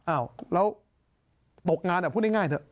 อ้าวแล้วตกงานพูดง่ายเถอะ